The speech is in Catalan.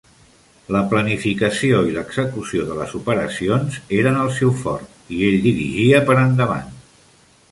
La planificació i l'execució de les operacions eren el seu fort i ell dirigia per endavant.